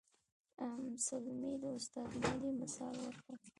ام سلمې د استاد مهدي مثال ورکړ.